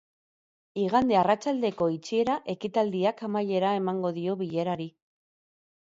Igande arratsaldeko itxiera ekitaldiak amaiera emango dio bilerari.